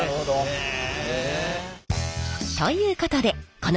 へえ。